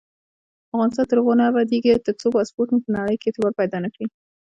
افغانستان تر هغو نه ابادیږي، ترڅو پاسپورت مو په نړۍ کې اعتبار پیدا نکړي.